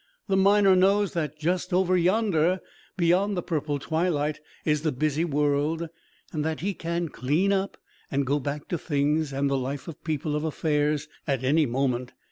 The miner knows that just "over yonder," beyond the purple twilight, is the busy world and that he can "clean up" and go back to things and the life of people of affairs at any moment.